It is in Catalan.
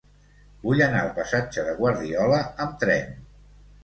Vull anar al passatge de Guardiola amb tren.